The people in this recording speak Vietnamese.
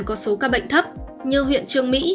có số ca bệnh thấp như huyện trương mỹ